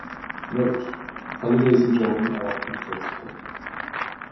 Note: Holidays in Jordan are often flexible.